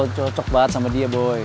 ya lo cocok banget sama dia boy